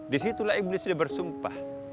disitulah iblis bersumpah